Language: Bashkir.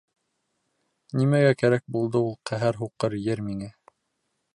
Нимәгә кәрәк булды ул ҡәһәр һуҡҡыр ер миңә.